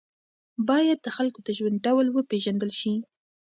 باید د خلکو د ژوند ډول وپېژندل شي.